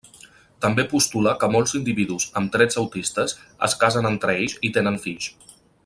També postula que molts individus amb trets autistes es casen entre ells i tenen fills.